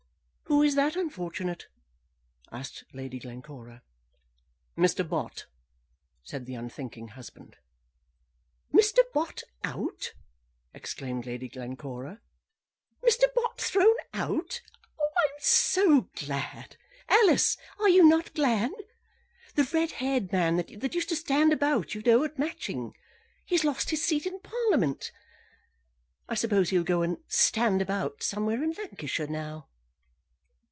"Who is that unfortunate?" asked Lady Glencora. "Mr. Bott," said the unthinking husband. "Mr. Bott out!" exclaimed Lady Glencora. "Mr. Bott thrown out! I am so glad. Alice, are you not glad? The red haired man, that used to stand about, you know, at Matching; he has lost his seat in Parliament. I suppose he'll go and stand about somewhere in Lancashire, now."